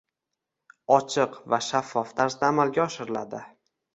ochiq va shaffof tarzda amalga oshiriladi.